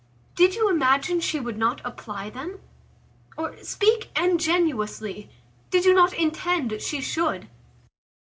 Did you imagine she would not apply them? or, speak ingenuously, did not you intend she should?"